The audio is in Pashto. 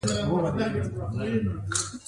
د کار اهل ته نه سپارل خیانت دی.